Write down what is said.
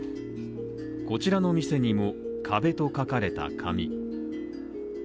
こちらの店にも、「壁」と書かれた紙。